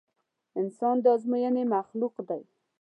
انسان د ازموينې مخلوق دی.